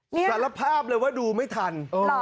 สารภาพเลยว่าดูไม่ทัน